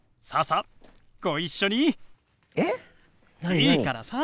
いいからさあ。